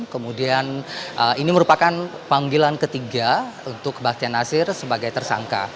kemudian ini merupakan panggilan ketiga untuk bahtian nasir sebagai tersangka